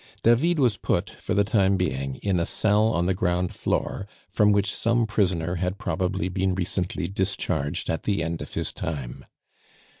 David was put for the time being in a cell on the ground floor from which some prisoner had probably been recently discharged at the end of his time.